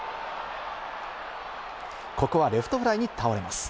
ここはレフトフライに倒れます。